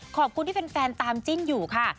ขอบคุณที่แฟนตามจิ้นอยู่ค่ะ